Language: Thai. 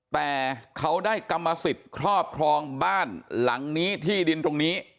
แต่เขาได้กรรมสิทธิ์ครอบครองบ้านหลังนี้ที่ดินตรงนี้